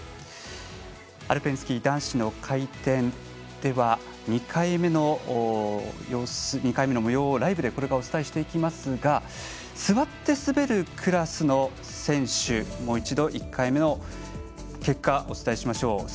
アルペンスキー男子の回転２回目のもようをライブでこれからお伝えしていきますが座って滑るクラスの選手の１回目の結果をお伝えしましょう。